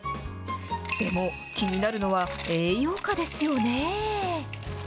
でも、気になるのは、栄養価ですよね。